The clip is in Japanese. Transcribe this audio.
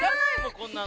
こんなの。